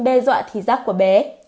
đe dọa thí giác của bé